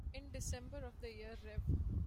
In December of that year, Rev.